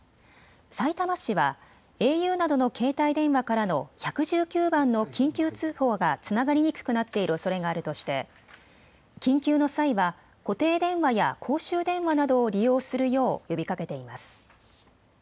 さいたま市はａｕなどの携帯電話からの１１９番の緊急通報がつながりにくくなっているおそれがあるとして緊急の際は固定電話や公衆電話などを利用するよう呼びかけています。